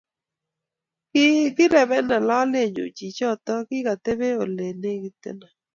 Kikirepena lolenyu chichotok kikatepee ole legiteno.